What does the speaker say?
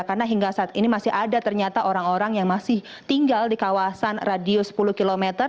karena hingga saat ini masih ada ternyata orang orang yang masih tinggal di kawasan radius sepuluh km